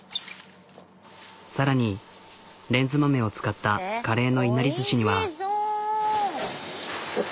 さらにレンズ豆を使ったカレーのいなりずしには。